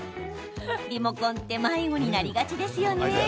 リモコンって迷子になりがちですよね。